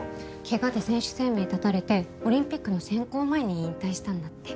ケガで選手生命絶たれてオリンピックの選考前に引退したんだって。